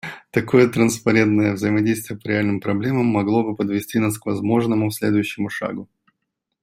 Такое транспарентное взаимодействие по реальным проблемам могло бы подвести нас к возможному следующему шагу.